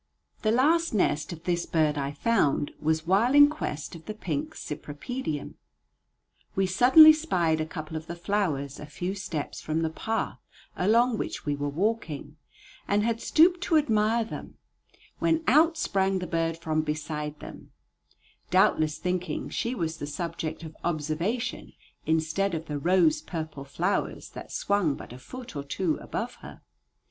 The last nest of this bird I found was while in quest of the pink cypripedium. We suddenly spied a couple of the flowers a few steps from the path along which we were walking, and had stooped to admire them, when out sprang the bird from beside them, doubtless thinking she was the subject of observation instead of the rose purple flowers that swung but a foot or two above her.